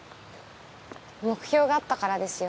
目標があったからですよ。